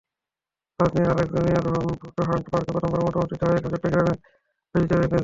ভার্জিনিয়ার আলেকজান্দ্রিয়ার Fort Hunt পার্কে প্রথমবারের মতো অনুষ্ঠিত হয়ে গেল চট্টগ্রামের ঐতিহ্যবাহী মেজবান।